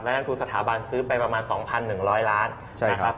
นักทุนสถาบันซื้อไปประมาณ๒๑๐๐ล้านนะครับ